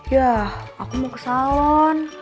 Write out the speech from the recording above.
yah aku mau ke salon